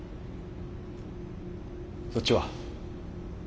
そっちは？